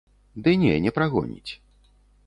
Ды не, не прагоніць.